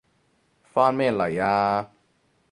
返咩嚟啊？